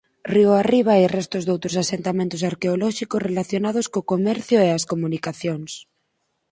Río arriba hai restos doutros asentamentos arqueolóxicos relacionados co comercio e as comunicacións.